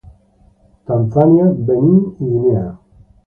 Tanzania, Benín y Guinea.